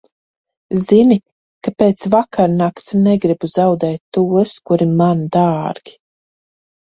Zini, ka pēc vakarnakts negribu zaudēt tos, kuri man dārgi.